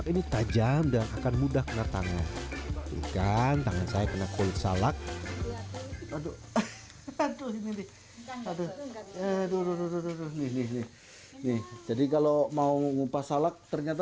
hai aduh aduh aduh aduh aduh aduh nih nih nih jadi kalau mau ngupas salak ternyata